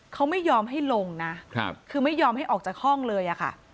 เขาไม่ยอมให้ลงนะคือไม่ยอมให้ออกจากห้องเลยอะค่ะ